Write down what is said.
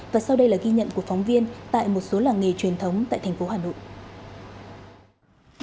và sau đây là ghi nhận của phóng viên tại một số làng nghề truyền thống tại thành phố hà nội